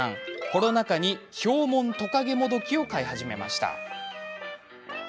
コロナ禍にヒョウモントカゲモドキを飼い始めました。